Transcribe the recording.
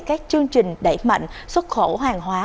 các chương trình đẩy mạnh xuất khẩu hàng hóa